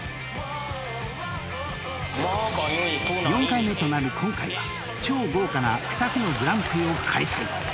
［４回目となる今回は超豪華な２つのグランプリを開催］